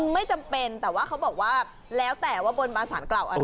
ไม่จำเป็นแต่ว่าเขาบอกว่าแล้วแต่ว่าบนบาสารกล่าวอะไร